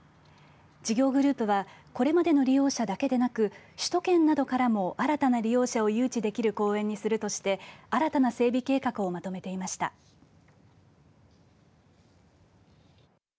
事業グループはこれまでの利用者だけでなく首都圏などからも新たな利用者を誘致できる公園にするとして新たな整備計画をまとめていました。